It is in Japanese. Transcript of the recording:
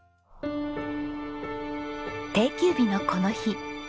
定休日のこの日。